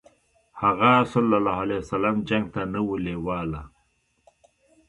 هغه ﷺ جنګ ته نه و لېواله.